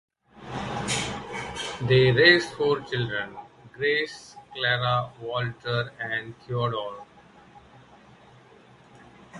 They raised four children, Grace, Clara, Walter and Theodore.